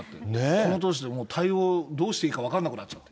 この年でもう対応、どうしていいか分かんなくなっちゃって。